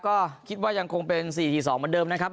ก็คิดว่ายังคงเป็น๔๒เหมือนเดิมนะครับ